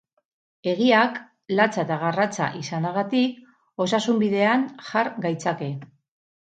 Egiak, latza eta garratza izanagatik, osasunbidean jar gaitzake.